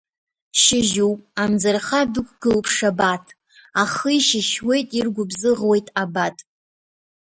Шьыжьуп, амӡырха дықәгылоуп Шабаҭ, ахы ишьышьуеит, иргәыбзыӷуеит абат.